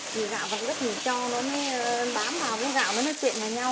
vì gạo vẫn rất là tròn nó mới bám vào với gạo nó mới tiện vào nhau